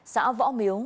xã võ miếu